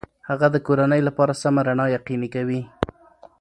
هغه د کورنۍ لپاره سمه رڼا یقیني کوي.